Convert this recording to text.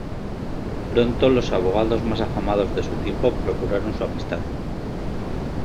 Pronto los abogados más afamados de su tiempo procuraron su amistad.